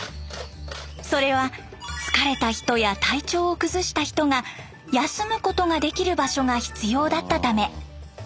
それは疲れた人や体調を崩した人が休むことができる場所が必要だったため。